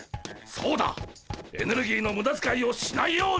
そうだエネルギーのムダづかいをしないように。